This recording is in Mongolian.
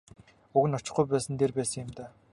Уг нь очихгүй байсан нь дээр байсан юм даа.